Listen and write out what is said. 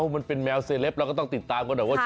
มันเป็นแมวเซเลปเราก็ต้องติดตามกันหน่อยว่า